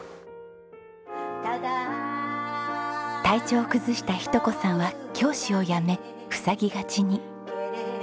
体調を崩した日登子さんは教師を辞めふさぎがちに。